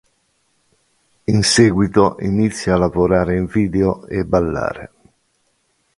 In seguito inizia a lavorare in video e ballare.